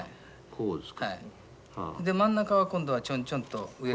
こうですか。